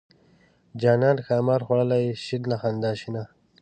جانان ښامار خوړلی شین له خندا شینه.